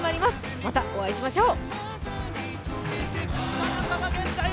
またお会いしましょう。